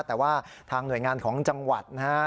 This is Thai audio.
แต่ว่าทางหน่วยงานของจังหวัดนะฮะ